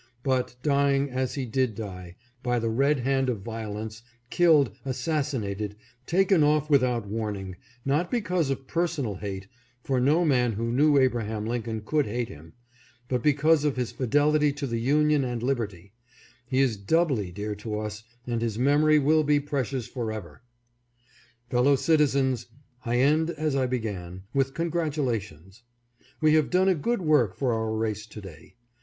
But, dying as he did die, by the red hand of violence, killed, assassinated, taken off without warning, not because of personal hate — for no man who knew Abraham Lincoln could hate him — but because of his fidelity to union and liberty, he is doubly dear to us, and his memory will be precious forever. . Fellow citizens, I end as I began, with congratulations. We have done a good work for our race to day.